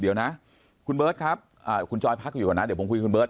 เดี๋ยวนะคุณเบิร์ตครับคุณจอยพักอยู่ก่อนนะเดี๋ยวผมคุยกับคุณเบิร์